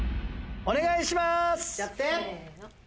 お願いします！せの。